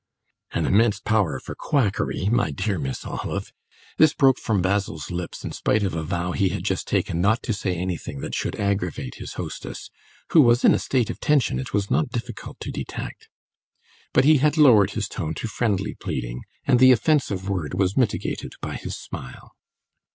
"An immense power for quackery, my dear Miss Olive!" This broke from Basil's lips in spite of a vow he had just taken not to say anything that should "aggravate" his hostess, who was in a state of tension it was not difficult to detect. But he had lowered his tone to friendly pleading, and the offensive word was mitigated by his smile.